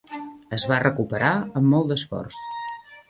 Es va recuperar amb molt d'esforç.